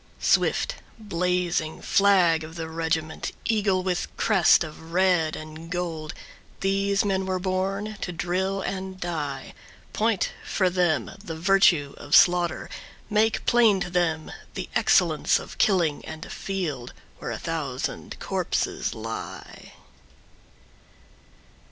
Swift blazing flag of the regiment, Eagle with crest of red and gold, These men were born to drill and die. Point for them the virtue of slaughter, Make plain to them the excellence of killing And a field where a thousand corpses lie.